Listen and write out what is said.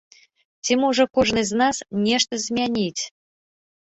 Ці можа кожны з нас нешта змяніць?